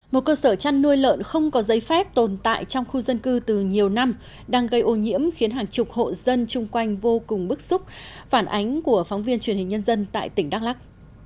một cơ sở chăn nuôi lợn không có giấy phép tồn tại trong khu dân cư từ nhiều năm đang gây ô nhiễm khiến hàng chục hộ dân chung quanh vô cùng bức xúc phản ánh của phóng viên truyền hình nhân dân tại tỉnh đắk lắc